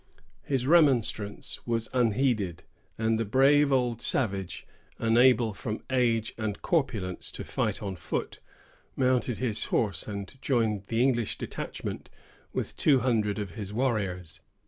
His remonstrance was unheeded; and the brave old savage, unable from age and corpulence to fight on foot, mounted his horse, and joined the English detachment with two hundred of his warriors.